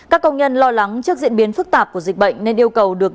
các công nhân lo lắng trước diễn biến phức tạp của dịch bệnh nên yêu cầu được